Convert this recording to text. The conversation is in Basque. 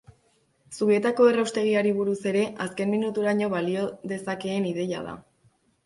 Zubietako erraustegiari buruz ere, azken minuturaino balio dezakeen ideia da.